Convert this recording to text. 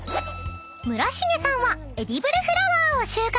［村重さんはエディブルフラワーを収穫］